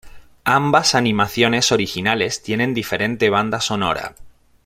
Ambas animaciones originales tienen diferente banda sonora.